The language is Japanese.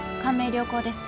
良好です。